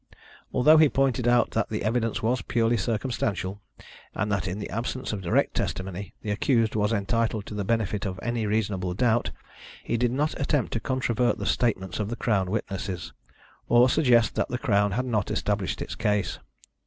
Although he pointed out that the evidence was purely circumstantial, and that in the absence of direct testimony the accused was entitled to the benefit of any reasonable doubt, he did not attempt to controvert the statements of the Crown witnesses, or suggest that the Crown had not established its case.